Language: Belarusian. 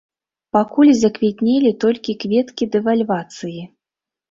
Пакуль заквітнелі толькі кветкі дэвальвацыі.